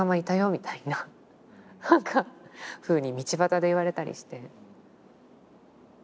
みたいななんかふうに道端で言われたりして。